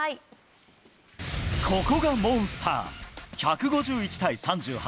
ここがモンスター、１５１対３８。